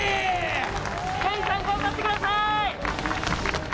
ケインさん、頑張ってくださーい。